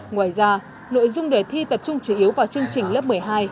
ngoài ra nội dung đề thi tập trung chủ yếu vào chương trình lớp một mươi hai